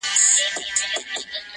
په نس ماړه او پړسېدلي کارغان.!